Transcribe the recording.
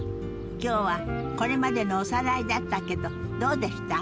今日はこれまでのおさらいだったけどどうでした？